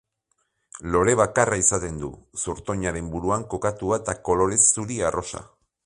Lore bakarra izaten du, zurtoinaren buruan kokatua eta kolorez zuri-arrosa.